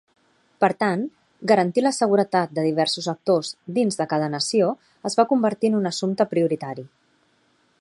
Per tant, garantir la seguretat de diversos actors dins de cada nació es va convertir en un assumpte prioritari.